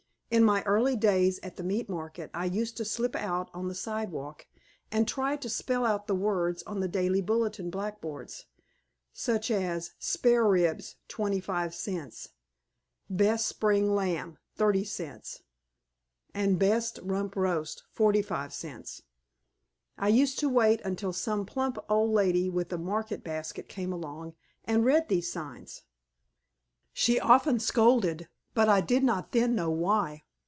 In my early days at the meat market I used to slip out on the sidewalk and try to spell out the words on the daily bulletin blackboards, such as "Spare ribs, 25 cents," "Best spring lamb, 30 cents," and "Best rump steak, 45 cents." I used to wait until some plump old lady with a market basket came along and read these signs. She often scolded, but I did not then know why.